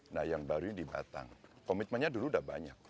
nah yang baru di batang komitmennya dulu sudah banyak